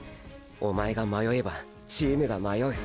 おまえが迷えばチームが迷う。